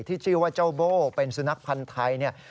ที่ชื่อว่าเจ้าโบ้เป็นสุนัขพันธ์ไทยเนี่ย